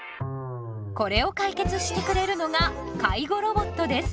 これを解決してくれるのが介護ロボットです。